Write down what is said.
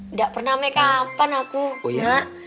nggak pernah makeup an aku mak